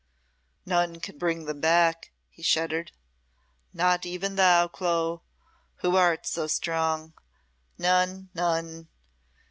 "None can bring them back," he shuddered. "Not even thou, Clo, who art so strong. None none!